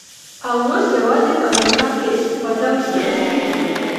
او اوس یوازی په امریکا کي استفاده ورڅخه کیږی